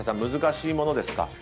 難しいものですか？